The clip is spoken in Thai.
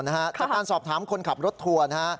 จากการสอบถามคนขับรถทัวร์นะฮะ